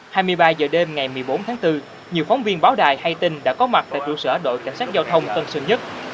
hai mươi ba h đêm ngày một mươi bốn tháng bốn nhiều phóng viên báo đài hay tin đã có mặt tại trụ sở đội cảnh sát giao thông tân sơn nhất